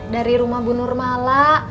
dari rumah bu nurmala